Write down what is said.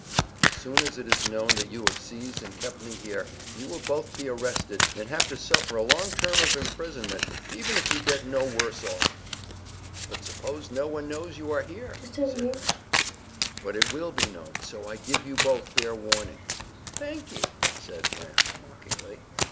"As soon as it is known that you have seized and kept me here, you will both be arrested, and have to suffer a long term of imprisonment, even if you get no worse off." "But suppose no one knows you are here?" said Ram. "But it will be known, so I give you both fair warning." "Thank ye," said Ram mockingly.